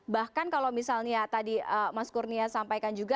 bahkan kalau misalnya tadi mas kurnia sampaikan juga